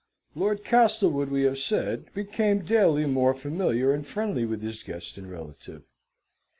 Lord Castlewood, we have said, became daily more familiar and friendly with his guest and relative.